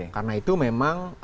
karena itu memang